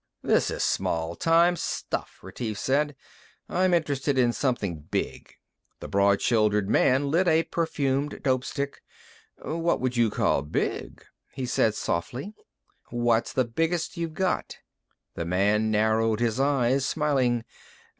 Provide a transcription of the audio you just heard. "This is small time stuff," Retief said. "I'm interested in something big." The broad shouldered man lit a perfumed dope stick. "What would you call big?" he said softly. "What's the biggest you've got?" The man narrowed his eyes, smiling.